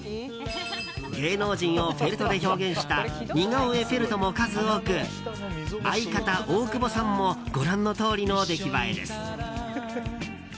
芸能人をフェルトで表現した似顔絵フェルトも数多く相方、大久保さんもご覧のとおりの出来栄えです。